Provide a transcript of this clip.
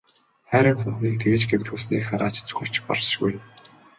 Хайран хүүхнийг тэгж гэмтүүлснийг харааж зүхэвч баршгүй.